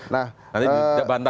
nah nanti di banta